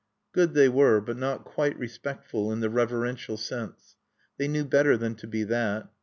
Good they were, but not quite respectful in the reverential sense. They knew better than to be that.